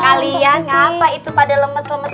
kalian apa itu pada lemes lemes